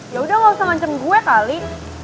yaudah lo usah mancing gue kali